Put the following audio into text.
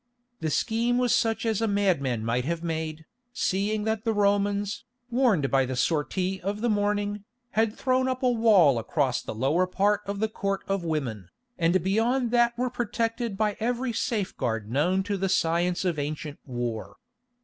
The scheme was such as a madman might have made, seeing that the Romans, warned by the sortie of the morning, had thrown up a wall across the lower part of the Court of Women, and beyond that were protected by every safeguard known to the science of ancient war.